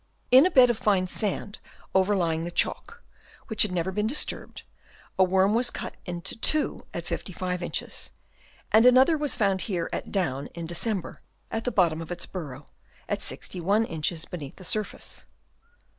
In a bed of fine sand overlying the chalk, which had never been disturbed, a worm was cut into two at 55 inches, and another was found here at Down in December at the bottom of its burrow, at 61 inches beneath the surface.